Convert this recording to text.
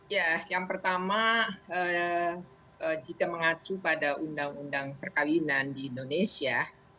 ya yang pertama jika mengacu pada undang undang perkawinan di indonesia